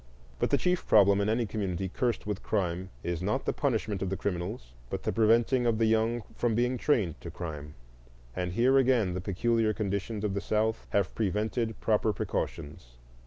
But the chief problem in any community cursed with crime is not the punishment of the criminals, but the preventing of the young from being trained to crime. And here again the peculiar conditions of the South have prevented proper precautions.